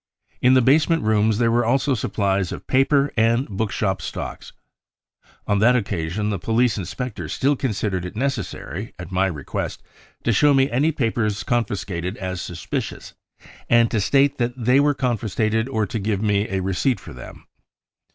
In the basement rooms there were also supplies of paper and bookshop stocks. On that occasion the police inspector still considered it necessary, at my request, to show me any papers confiscated as suspicious and to state that they were confiscated or to give me a receipt for them.